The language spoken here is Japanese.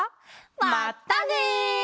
まったね！